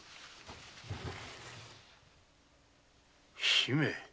姫？